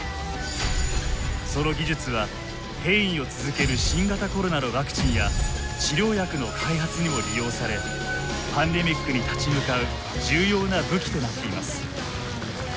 その技術は変異を続ける新型コロナのワクチンや治療薬の開発にも利用されパンデミックに立ち向かう重要な武器となっています。